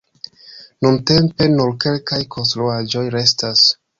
Nuntempe nur kelkaj konstruaĵoj restas.